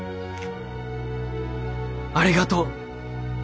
ありがとう。